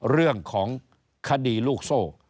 เรื่องของคดีลูกโซ่